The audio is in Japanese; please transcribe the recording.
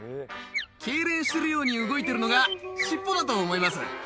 けいれんするように動いているのが、尻尾だと思います。